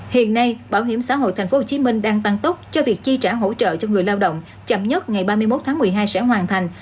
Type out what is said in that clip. hiện nay bảo hiểm xã hội tp hcm đang tăng tốc cho việc chi trả hỗ trợ cho người lao động chậm nhất ngày ba mươi một tháng một mươi hai sẽ hoàn thành